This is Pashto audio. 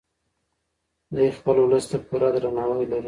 دی خپل ولس ته پوره درناوی لري.